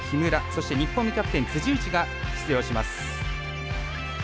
そして、日本のキャプテン辻内が出場します。